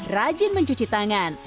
satu rajin mencuci tangan